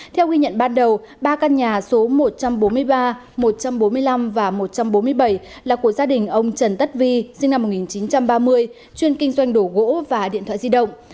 theo ghi nhận ban đầu ba căn nhà số một trăm bốn mươi ba một trăm bốn mươi năm và một trăm bốn mươi bảy là của gia đình ông trần tất vi sinh năm một nghìn chín trăm ba mươi chuyên kinh doanh đồ gỗ và điện thoại di động